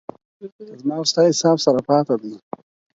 زه په تا باندی حساب کوم